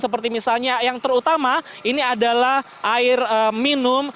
seperti misalnya yang terutama ini adalah air minum